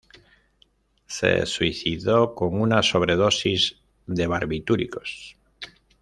Se suicidó con una sobredosis de barbitúricos.